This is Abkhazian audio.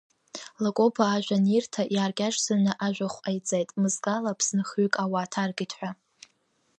Лакоба ажәа анирҭа, иааркьаҿӡаны ажәахә ҟаиҵеит, мызкала Аԥсны хҩык ауаа ҭаркит ҳәа.